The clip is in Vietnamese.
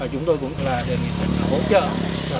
chúng tôi cũng là đề nghị hỗ trợ